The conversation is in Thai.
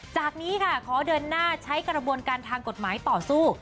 จากนี้ค่ะขอเดินหน้าใช้กระบวนการทางกฎหมายต่อสู้